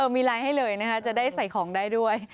มีไลน์ให้เลยนะคะจะได้ใส่ของได้ด้วย